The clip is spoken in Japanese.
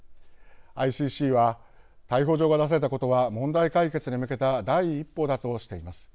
ＩＣＣは逮捕状が出されたことは問題解決に向けた第一歩だとしています。